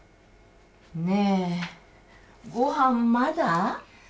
ねえごはんまだ？